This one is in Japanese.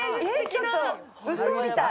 ちょっとうそみたい。